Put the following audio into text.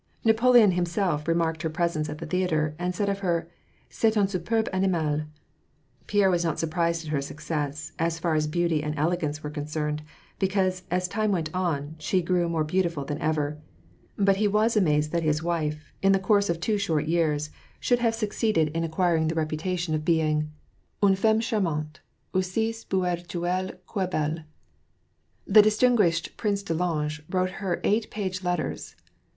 Napoleon himself remarked her presence at the theatre, and said of her, " C^est un superbe animalJ^ Pierre was not surprised at her success, as far as beauty and elegance were concerned, because, as time went on, she grew more beautiful than ever. But he was amazed that his wife, in the course of two short years, should have succeeded in 182 tVAk AND PS ACE, acquiring the reputation of being ^^une femme charmanUy aiissi spirituelle que belle,^' The distinguished Prince de Ligne wrote her eight page letters.